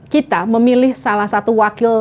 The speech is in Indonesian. kita memilih salah satu wakil